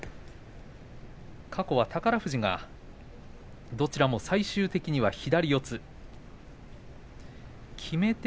過去は宝富士がどちらも最終的には左四つになりました。